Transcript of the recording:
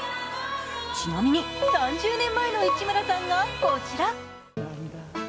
ちなみに３０年前の市村さんがこちら。